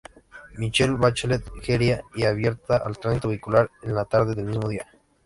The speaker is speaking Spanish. Michelle Bachelet Jeria, y abierta al tránsito vehicular en la tarde del mismo día.